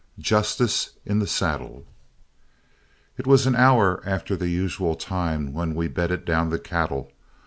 JUSTICE IN THE SADDLE It was an hour after the usual time when we bedded down the cattle.